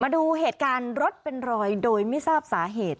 ดูเหตุการณ์รถเป็นรอยโดยไม่ทราบสาเหตุ